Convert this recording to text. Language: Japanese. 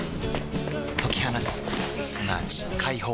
解き放つすなわち解放